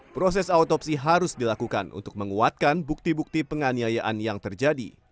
proses autopsi harus dilakukan untuk menguatkan bukti bukti penganiayaan yang terjadi